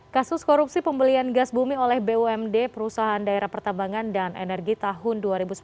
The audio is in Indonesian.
kasus korupsi pembelian gas bumi oleh bumd perusahaan daerah pertambangan dan energi tahun dua ribu sepuluh